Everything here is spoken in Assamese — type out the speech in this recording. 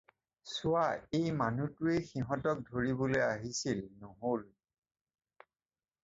চোৱা, এই মানুহটোৱেই সিহঁতক ধৰিবলৈ আহিছিল নহ'ল!